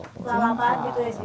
sama apaan gitu ya sih